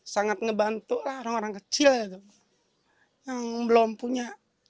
sangat membantu orang orang kecil yang belum punya